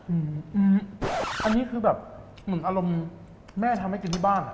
อืมอันนี้คือแบบเหมือนอารมณ์แม่ทำให้กินที่บ้านอ่ะ